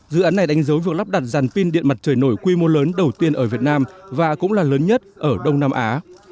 dự án này đánh dấu việc lắp đặt dàn pin điện mặt trời nổi quy mô lớn đầu tiên ở việt nam và cũng là lớn nhất ở đông nam á